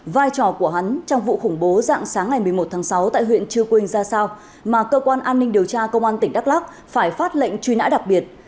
vai trò của hắn trong vụ khủng bố dạng sáng ngày một mươi một tháng sáu tại huyện chư quynh ra sao mà cơ quan an ninh điều tra công an tỉnh đắk lắc phải phát lệnh truy nã đặc biệt